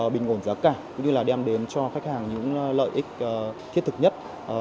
bình ổn giá cả cũng như là đem đến cho khách hàng những lợi ích thiết thực nhất